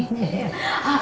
gigi jangan kek kekkan